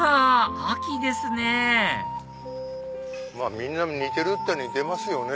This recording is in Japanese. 秋ですねみんな似てるっちゃ似てますよね